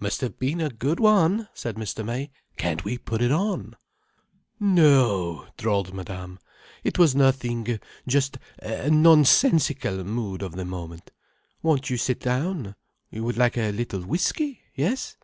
"Must have been a good one," said Mr. May. "Can't we put it on?" "No," drawled Madame, "it was nothing—just a non sensical mood of the moment. Won't you sit down? You would like a little whiskey?—yes?"